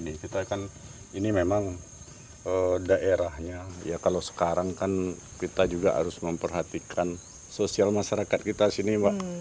jadi gini kita kan ini memang daerahnya ya kalau sekarang kan kita juga harus memperhatikan sosial masyarakat kita sini mbak